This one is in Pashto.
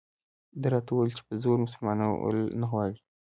ده راته وویل چې په زور مسلمانول نه غواړي.